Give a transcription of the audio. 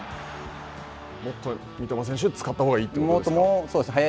もっと三笘選手を使ったほうがいいということですか。